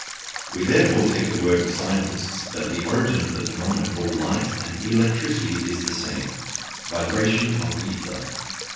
We therefore take the word of scientists that the origin of the phenomena called light and electricity is the same vibration of ether.